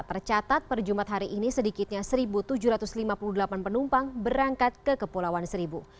tercatat per jumat hari ini sedikitnya satu tujuh ratus lima puluh delapan penumpang berangkat ke kepulauan seribu